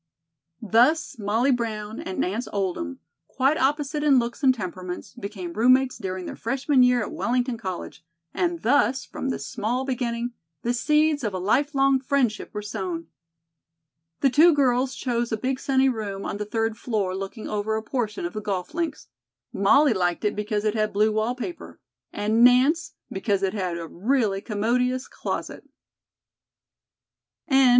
Thus Molly Brown and Nance Oldham, quite opposites in looks and temperaments, became roommates during their freshman year at Wellington College and thus, from this small beginning, the seeds of a life long friendship were sown. The two girls chose a big sunny room on the third floor looking over a portion of the golf links. Molly liked it because it had blue wallpaper and Nance because it had a really commodious closet. CHAPTER II. THEIR NEIGHBOR.